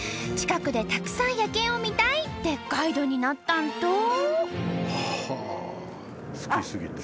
近くでたくさん夜景を見たい！ってガイドになったんと！